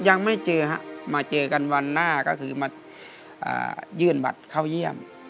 ยังไม่เจอฮะมาเจอกันวันหน้าก็คือมายื่นบัตรเข้าเยี่ยม